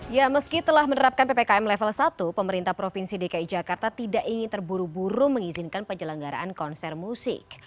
ya meski telah menerapkan ppkm level satu pemerintah provinsi dki jakarta tidak ingin terburu buru mengizinkan penyelenggaraan konser musik